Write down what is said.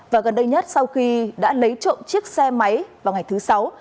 và gần đây nhất sau khi đã lấy trộm chiếc xe máy vào ngày thứ sáu